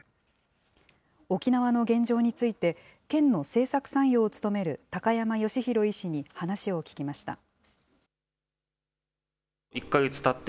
沖縄の現状について、県の政策参与を務める高山義浩医師に話を聞きました。